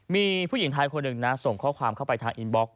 มีผู้หญิงไทยคนหนึ่งนะส่งข้อความเข้าไปทางอินบล็